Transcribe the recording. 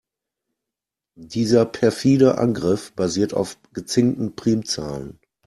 Dieser perfide Angriff basiert auf gezinkten Primzahlen.